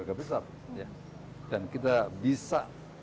dan kita bisa menjadi pemerintah yang lebih baik